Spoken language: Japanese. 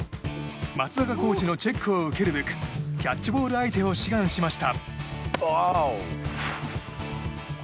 松坂コーチのチェックを受けるべくキャッチボール相手を志願しました。